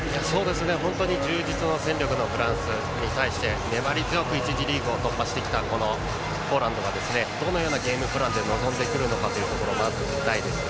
本当に充実の戦力のフランスに対して粘り強く１次リーグを突破してきたポーランドがどのようなゲームプランで臨んでくるのかをまず見たいです。